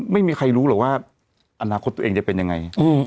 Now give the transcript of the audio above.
ไม่มีใครรู้หรอกว่าอนาคตตัวเองจะเป็นยังไง